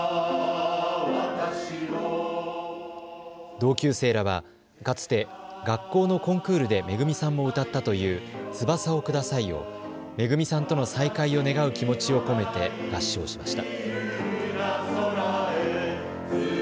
同級生らは、かつて学校のコンクールでめぐみさんも歌ったという翼をくださいをめぐみさんとの再会を願う気持ちを込めて合唱しました。